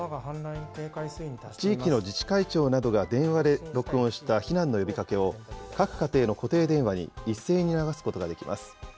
地域の自治会長などが電話で録音した避難の呼びかけを、各家庭の固定電話に一斉に流すことができます。